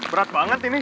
berat banget ini